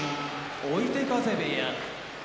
追手風部屋